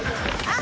あ！